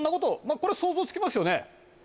これ想像つきますよね。